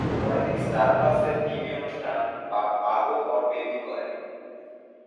পরে তিনি স্টার প্লাস-এর টিভি অনুষ্ঠান বা বাহু অউর বেবি করেন।